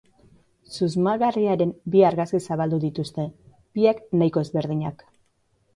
Susmagarriaren bi argazki zabaldu dituzte, biak nahiko ezberdinak.